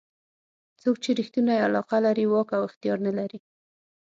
څوک چې ریښتونې علاقه لري واک او اختیار نه لري.